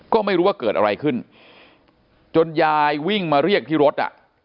ก็ไม่รู้ว่าเกิดอะไรขึ้นจนยายวิ่งมาเรียกที่รถอ่ะ